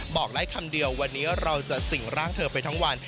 บอกได้คำเดียววันนี้เราจะสิ่งร่างเธอไปทั้งวัน